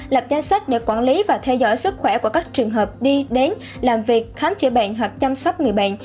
lập danh sách để quản lý và theo dõi sức khỏe của các trường hợp đi đến làm việc khám chữa bệnh hoặc chăm sóc người bệnh